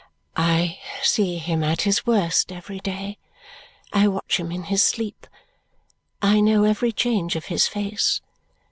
"I see him at his worst every day. I watch him in his sleep. I know every change of his face.